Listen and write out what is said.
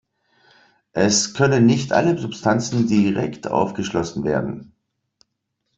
Es können nicht alle Substanzen direkt aufgeschlossen werden.